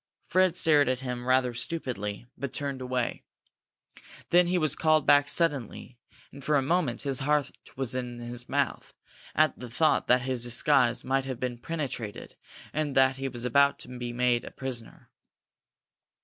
Fred stared at him rather stupidly, but turned away. Then he was called back suddenly, and for a moment his heart was in his mouth at the thought that his disguise had been penetrated and that he was about to be made a prisoner.